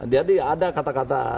jadi ada kata kata